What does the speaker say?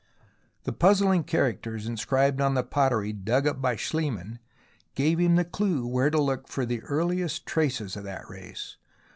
The puzzling characters inscribed on the pottery dug up by Schliemann gave him the clue where to look for the earliest traces of that race.